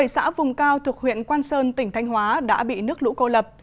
bảy xã vùng cao thuộc huyện quan sơn tỉnh thanh hóa đã bị nước lũ cô lập